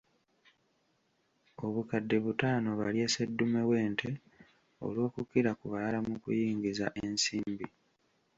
Obukadde butaano balye sseddume w'ente olwokukira ku balala mu kuyingiza ensimbi.